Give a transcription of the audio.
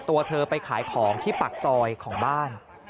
ตัวเธอไปขายของที่ปากซอยของบ้าน